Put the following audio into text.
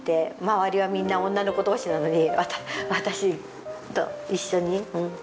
周りはみんな女の子同士なのに私と一緒にうん。